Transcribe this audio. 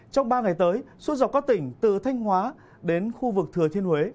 trong ba ngày tới suốt dọc các tỉnh từ thanh hóa đến khu vực thừa thiên huế